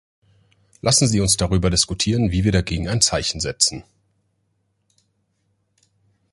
Lassen Sie uns darüber diskutieren, wie wir dagegen ein Zeichen setzen.